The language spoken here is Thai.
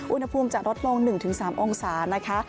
อุณหภูมิจะลดลง๑๓องศานะคะ